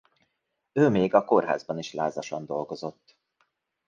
Ő még a kórházban is lázasan dolgozott.